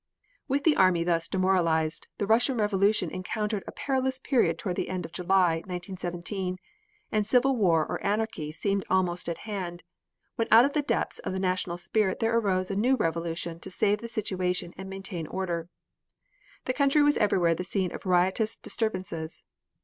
With the army thus demoralized the Russian Revolution encountered a perilous period toward the end of July, 1917, and civil war or anarchy seemed almost at hand, when out of the depths of the national spirit there arose a new revolution to save the situation and to maintain order. The country was everywhere the scene of riotous disturbances.